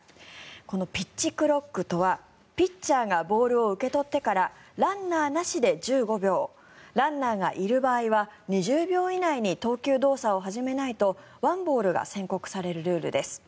このピッチクロックとはピッチャーがボールを受け取ってからランナーなしで１５秒ランナーがいる場合は２０秒以内に投球動作を始めないと１ボールが宣告されるルールです。